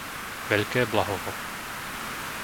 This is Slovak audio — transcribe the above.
Veľké Blahovo